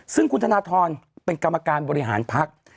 ซึ่งคุณธนทรเป็นกรรมการบริหารพัก